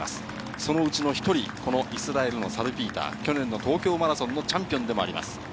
そのうちの一人、このイスラエルのサルピーター、去年の東京マラソンのチャンピオンでもあります。